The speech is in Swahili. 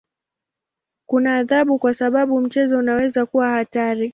Kuna adhabu kwa sababu mchezo unaweza kuwa hatari.